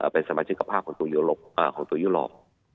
เป็นสมาชิกภาพของตัวยุโรป